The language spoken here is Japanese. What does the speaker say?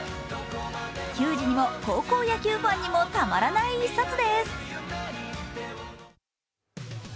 球児にも高校野球ファンにもたまらない一冊です。